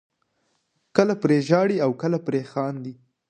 کله پرې ژاړئ او کله پرې خاندئ.